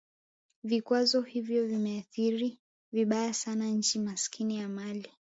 Vikwazo hivyo vimeathiri vibaya sana nchi maskini ya Mali